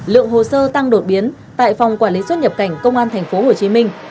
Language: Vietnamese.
lượng hồ sơ tăng đột biến tại phòng quản lý xuất nhập cảnh công an thành phố hồ chí minh